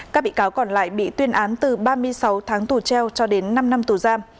các bị cáo còn lại bị tuyên án từ ba mươi sáu tháng tù treo cho đến năm năm tù giam